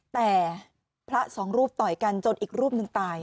แต่พระสองรูปต่อยกันจนอีกรูปหนึ่งตาย